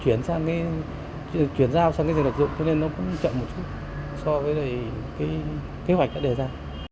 chuyển sang cái chuyển giao sang cái rừng đặc dụng cho nên nó cũng chậm một chút so với cái kế hoạch đã đề ra